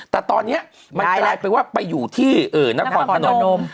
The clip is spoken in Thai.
แต่ตอนนี้มันกลายเป็นว่าไปอยู่ที่นครพนม